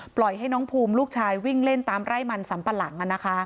ปล่อยให้น้องภูมิลูกชายวิ่งเล่นตามไร่มันสัมปะหลัง